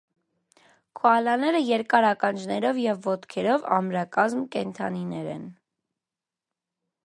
Քոալաները երկար ականջներով եւ ոտքերով ամրակազմ կենդանիներ են։